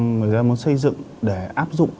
người ta muốn xây dựng để áp dụng